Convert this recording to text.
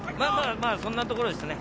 そんなところですね。